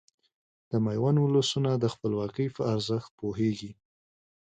د ميوند ولسونه د خپلواکۍ په ارزښت پوهيږي .